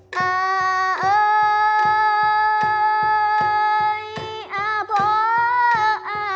จะยังร้องไฟ